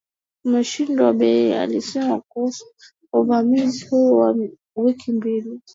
umeshindwa bei alisema kuhusu uvamizi huo wa wiki mbili